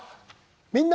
「みんな！